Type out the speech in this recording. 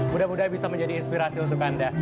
mudah mudahan bisa menjadi inspirasi untuk anda